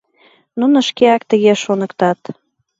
Нуно шкеак тыге шоныктат.